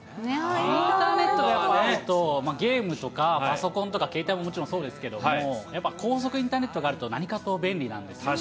インターネットがやっぱちょっと、ゲームとか、パソコンとか携帯ももちろん、そうですけども、やっぱ高速インターネットがあると何かと便利なんですね。